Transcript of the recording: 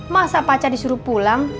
masa pacar disuruh pulang